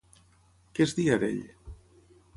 Què es deia d'ell?